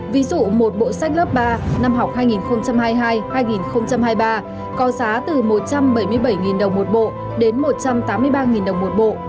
ví dụ một bộ sách lớp ba năm học hai nghìn hai mươi hai hai nghìn hai mươi ba có giá từ một trăm bảy mươi bảy đồng một bộ đến một trăm tám mươi ba đồng một bộ